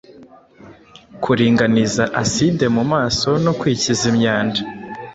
kuringaniza aside mu maraso no kwikiza imyanda